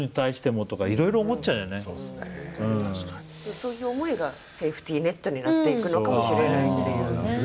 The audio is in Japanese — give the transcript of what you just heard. そういう思いがセーフティネットになっていくのかもしれないっていう。